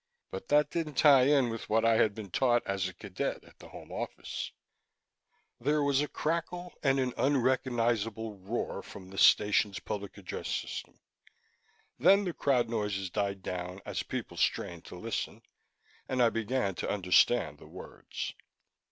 But that didn't tie in with what I had been taught as a cadet at the Home Office. There was a crackle and an unrecognizable roar from the station's public address system. Then the crowd noises died down as people strained to listen, and I began to understand the words